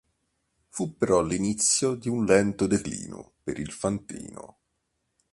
Fu però l'inizio di un lento declino per il fantino.